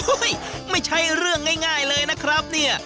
ไม่ใช่เรื่องง่ายเลยนะครับเนี่ย